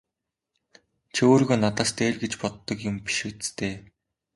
Чи өөрийгөө надаас дээр гэж боддог юм биш биз дээ!